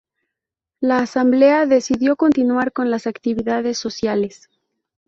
La asamblea decidió continuar con las actividades sociales.